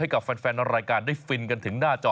กับแฟนรายการได้ฟินกันถึงหน้าจอ